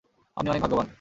আপনি অনেক ভাগ্যবান।